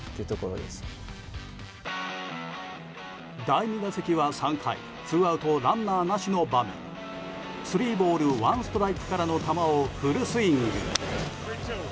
第２打席は３回ツーアウト、ランナーなしの場面スリーボールワンストライクからの球をフルスイング。